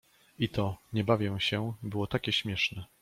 I to: „nie bawię się” było takie śmieszne.